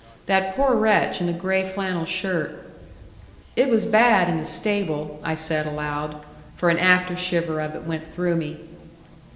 That poor wretch in the gray flannel shirt "It was bad in the stable," I said aloud. For an after shiver of it went through me.